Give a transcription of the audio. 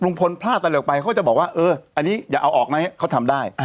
พลาดตลกไปเขาจะบอกว่าเอออันนี้อย่าเอาออกไหมเขาทำได้